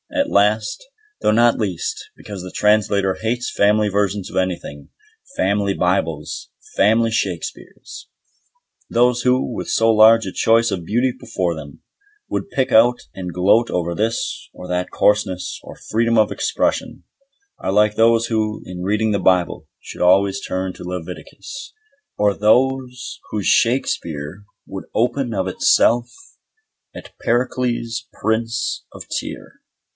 And last, though not least, because the Translator hates family versions of anything, "Family Bibles", "Family Shakespeares". Those who, with so large a choice of beauty before them, would pick out and gloat over this or that coarseness or freedom of expression, are like those who, in reading the Bible, should always turn to Leviticus, or those whose Shakespeare would open of itself at Pericles Prince of Tyre.